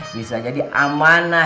bisa jadi amanah